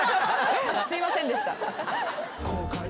すいませんでした。